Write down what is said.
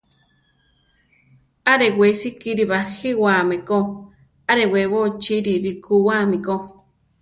Arewesi kiri bajíwame ko; arewébo chiri rikúwami ko.